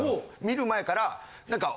見る前から何か。